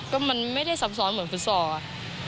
ก็มันไม่ได้ซับซ้อนเหมือนฟุตซอล